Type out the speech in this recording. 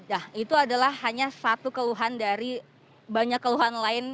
ya itu adalah hanya satu keluhan dari banyak keluhan lain